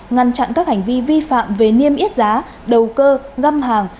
ngăn chặn các hành vi vi phạm về niêm yết giá đầu cơ găm hàng